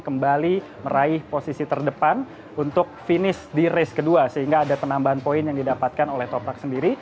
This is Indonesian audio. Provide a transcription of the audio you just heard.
kembali meraih posisi terdepan untuk finish di race kedua sehingga ada penambahan poin yang didapatkan oleh topak sendiri